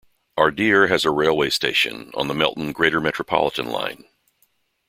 Ardeer has a railway station on the Melton greater-metropolitan line.